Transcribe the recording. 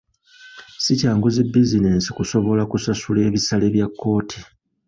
Si kyangu zi bizinensi kusobola kusasula ebisale bya kkooti.